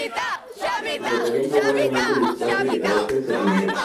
Se tratarían probablemente de espacios de carácter ceremonial.